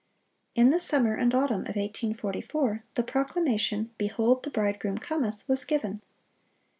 In the summer and autumn of 1844, the proclamation, "Behold, the Bridegroom cometh," was given.